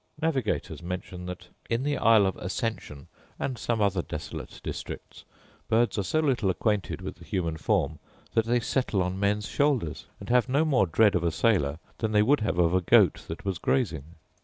Navigators mention that in the Isle of Ascension, and other such desolate districts, birds are so little acquainted with the human form that they settle on men's shoulders; and have no more dread of a sailor than they would have of a goat that was grazing.